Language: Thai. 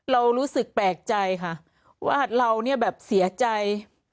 เรารู้สึกแปลกใจค่ะว่าเราเนี่ยแบบเสียใจ